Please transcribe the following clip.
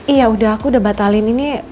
iya udah aku udah batalin ini